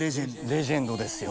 レジェンドですよ。